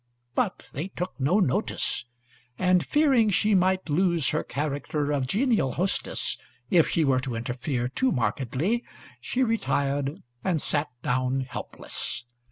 But they took no notice, and, fearing she might lose her character of genial hostess if she were to interfere too markedly, she retired and sat down helpless.